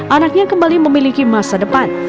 anaknya kembali memiliki masa depan